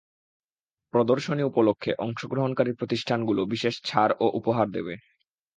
প্রদর্শনী উপলক্ষে অংশগ্রহণকারী প্রতিষ্ঠানগুলো বিশেষ ছাড় ও উপহার দেবে।